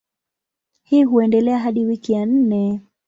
Hii huendelea hadi wiki ya nne.